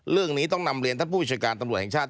เรื่องนี้ต้องนำเรียนท่านผู้ประชาการตำรวจแห่งชาติ